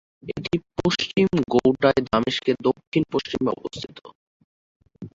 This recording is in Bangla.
এটি পশ্চিম ঘৌটায় দামেস্কের দক্ষিণ-পশ্চিমে অবস্থিত।